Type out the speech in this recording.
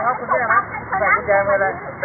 ขอบคุณที่ทำดีดีกับแม่ของฉันหน่อยครับ